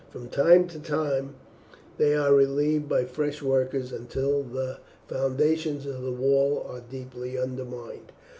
From time to time they are relieved by fresh workers until the foundations of the wall are deeply undermined.